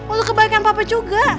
untuk kebaikan papa juga